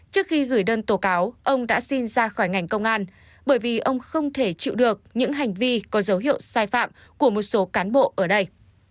trước khi gửi đơn tố cáo ông đã xin ra khỏi ngành công an bởi vì ông không thể chịu được những hành vi có dấu hiệu sai phạm của một số cán bộ ở đây